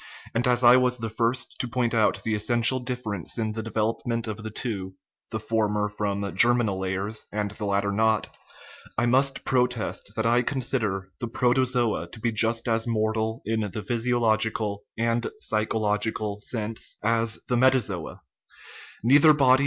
and as I was the first to point out the essential difference in the development of the two (the former from germinal layers, and the latter not), I must protest that I con sider the protozoa to be just as mortal in the physio logical (and psychological) sense as the metazoa ; nei ther body